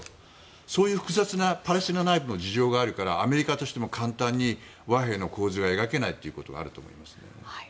そういう複雑なパレスチナ内部の事情があるからアメリカとしても簡単に和平の構図が描けないということがあると思いますね。